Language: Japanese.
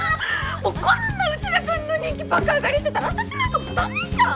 こんな内田君の人気爆上がりしてたら私なんか駄目じゃん！